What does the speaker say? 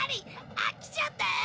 飽きちゃったよ！